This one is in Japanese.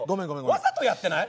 わざとやってない？